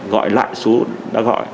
gọi lại số đã gọi